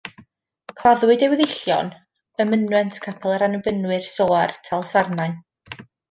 Claddwyd ei weddillion ym mynwent capel yr Annibynwyr, Soar, Talsarnau.